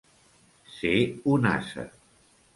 Ser un ase.